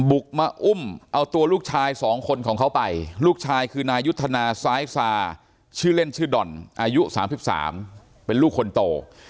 บุกมาอุ้มเอาตัวลูกชาย๒คนของเขาไปลูกชายคือนายุทธนาซ้ายซาชื่อเล่นชื่อด่อนอายุ๓๓เป็นลูกคนโต